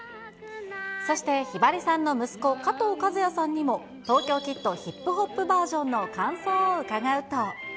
そしてひばりさんの息子、加藤和也さんにも、東京キッドヒップホップバージョンの感想を伺うと。